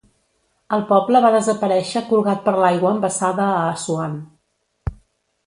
El poble va desaparèixer colgat per l'aigua embassada a Assuan.